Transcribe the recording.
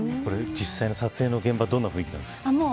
実際に撮影の現場どんな雰囲気なんですか。